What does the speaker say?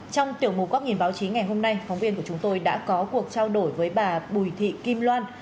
trong tiểu mục góc nhìn báo chí ngày hôm nay phóng viên của chúng tôi đã có cuộc trao đổi với bà bùi thị kim loan